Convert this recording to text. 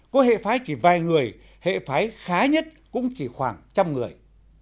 nhưng chỉ vài người hệ phái khá nhất cũng chỉ khoảng trăm người